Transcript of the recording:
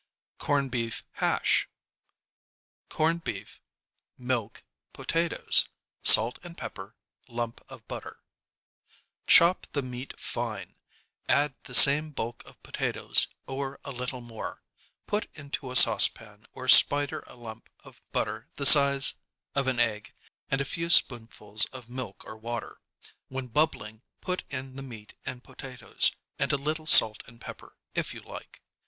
=Corn Beef Hash= Corned Beef Milk Potatoes Salt and Pepper Lump of Butter Chop the meat fine, add the same bulk of potatoes or a little more. Put into a saucepan or spider a lump of butter the size of an egg, and a few spoonfuls of milk or water. When bubbling, put in the meat and potatoes, and a little salt and pepper, if you like.